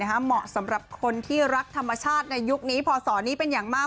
เหมาะสำหรับคนที่รักธรรมชาติในยุคนี้พศนี้เป็นอย่างมาก